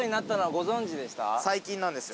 最近なんですよ。